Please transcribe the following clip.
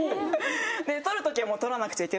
撮るときは取らなくちゃいけないんで。